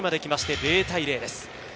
０対０です。